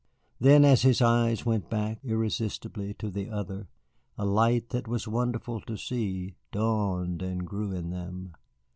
Then as his eyes went back, irresistibly, to the other, a light that was wonderful to see dawned and grew in them.